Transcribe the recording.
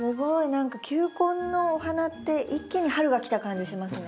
何か球根のお花って一気に春が来た感じしますね。